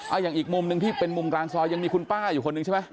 อย่างอีกมุมหนึ่งที่เป็นมุมกลางซอยยังมีคุณป้าอยู่คนหนึ่งใช่ไหม